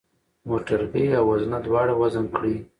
موټرګی او وزنه دواړه وزن کړئ.